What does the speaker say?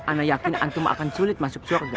ana yakin antum akan sulit masuk surga